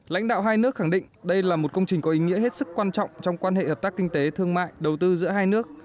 lãnh đạo hai nước khẳng định đây là một công trình có ý nghĩa hết sức quan trọng trong quan hệ hợp tác kinh tế thương mại đầu tư giữa hai nước